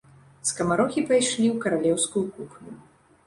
Скамарохі пайшлі ў каралеўскую кухню.